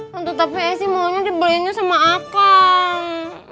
tentu tapi esi maunya dibeliinnya sama akang